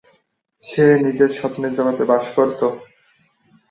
সে নিজের স্বপ্নের জগতে বাস করত।